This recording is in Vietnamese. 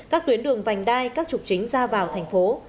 các tuyến đường vành đai các trục chính ra vào thành phố